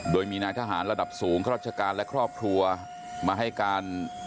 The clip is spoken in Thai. โดยมีนายทหารระดับสูงข้าราชการและครอบครัวมาให้การ